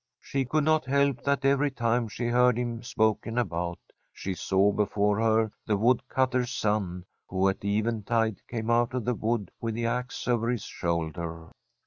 She could not help that every time she heard him spoken about she saw before her the wood cutter's son who at eventide came out of the wood with the axe over his shoulder.